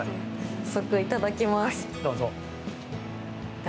早速、いただきます。